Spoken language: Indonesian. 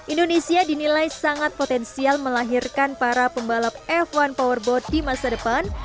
indonesia dinilai sangat potensial melahirkan para pembalap f satu powerboat di masa depan